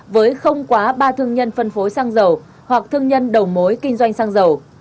với không quá ba thương nhân phân phối xăng dầu hoặc thương nhân đầu mối kinh doanh xăng dầu